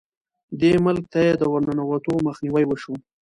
دې ملک ته یې د ورننوتو مخنیوی وشو.